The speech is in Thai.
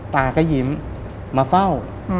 ตาก็ยิ้มมาเฝ้า